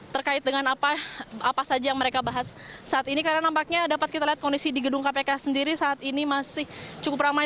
terkait dengan apa saja yang mereka bahas saat ini karena nampaknya dapat kita lihat kondisi di gedung kpk sendiri saat ini masih cukup ramai